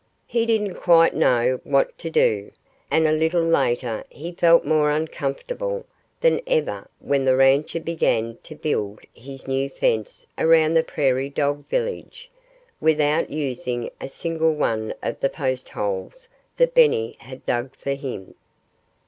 He didn't quite know what to do. And a little later he felt more uncomfortable than ever when the rancher began to build his new fence around the prairie dog village, without using a single one of the post holes that Benny had dug for him.